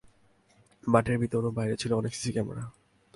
মাঠের ভেতর ও বাইরে ছিল অনেক সিসি ক্যামেরা।